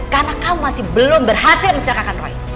karena kamu masih belum berhasil mencelakakan roy